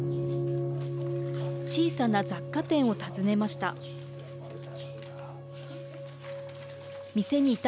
小さな雑貨店を訪ねました。